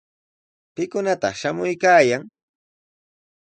¿Pikunataq shamuykaayan?